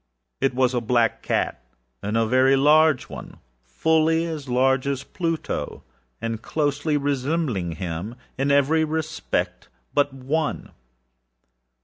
It was a black catâa very large oneâfully as large as Pluto, and closely resembling him in every respect but one.